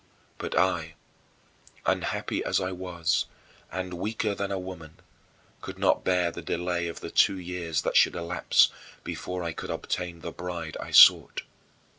But I, unhappy as I was, and weaker than a woman, could not bear the delay of the two years that should elapse before I could obtain the bride I sought.